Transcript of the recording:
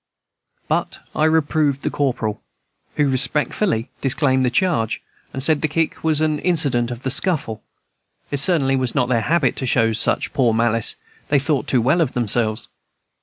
But I reproved the corporal, who respectfully disclaimed the charge, and said the kick was an incident of the scuffle. It certainly was not their habit to show such poor malice; they thought too well of themselves.